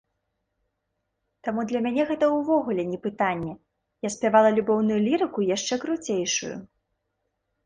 Таму для мяне гэта ўвогуле не пытанне, я спявала любоўную лірыку яшчэ круцейшую.